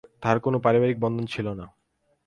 তাঁহার কোন পারিবারিক বন্ধন ছিল না।